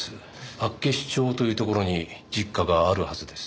厚岸町というところに実家があるはずです。